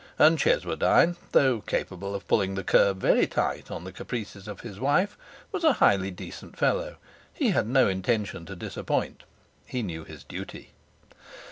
And Cheswardine, though capable of pulling the curb very tight on the caprices of his wife, was a highly decent fellow. He had no intention to disappoint; he knew his duty.